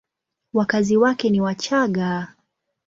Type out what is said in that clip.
Wakazi wake ni Wachagga.